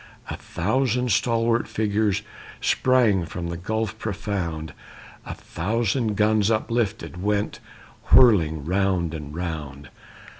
A thousand stalwart figures Sprang from the gulf profound, A thousand guns uplifted Went whirling round and round.